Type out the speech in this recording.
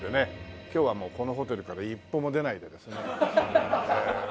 今日はもうこのホテルから一歩も出ないでですね。